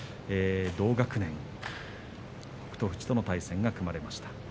同学年北勝富士との対戦が組まれました。